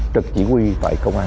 các cổ sĩ của công an